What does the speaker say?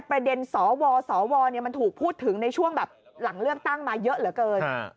ประเด็นสวสวมันถูกพูดถึงในช่วงหลังเรื่องตั้งมาเยอะเหลือเกิน